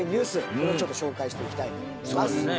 これをちょっと紹介していきたいと思いますそうですね